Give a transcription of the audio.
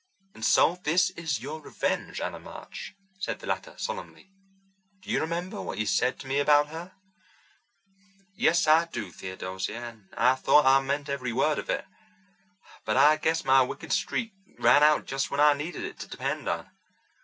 "And so this is your revenge, Anna March?" said the latter solemnly. "Do you remember what you said to me about her?" "Yes, I do, Theodosia, and I thought I meant every word of it. But I guess my wicked streak ran out just when I needed it to depend on.